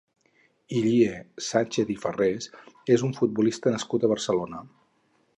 Ilie Sánchez i Farrés és un futbolista nascut a Barcelona.